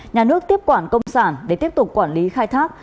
nhà nước tiếp quản công sản để tiếp tục quản lý khai thác